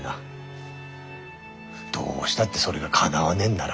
どうしたってそれがかなわねえんなら。